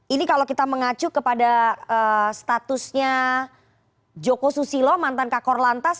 ini kalau kita mengacu kepada statusnya joko susilo mantan kakor lantas